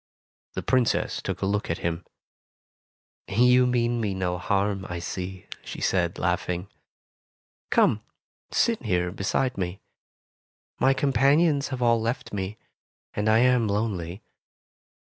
The Princess took a look at him. ''You mean me no harm, I see,'' she said, laughing. "Come, sit here beside me. My companions have all left me, and I am lonely.